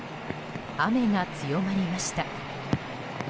雨が強まりました。